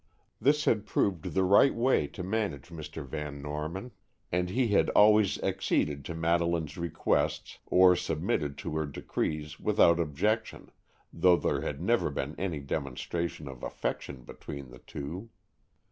This had proved the right way to manage Mr. Van Norman, and he had always acceded to Madeleine's requests or submitted to her decrees without objection, though there had never been any demonstration of affection between the two.